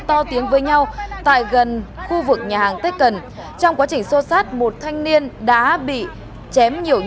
to tiếng với nhau tại gần khu vực nhà hàng tết cần trong quá trình sô sát một thanh niên đã bị chém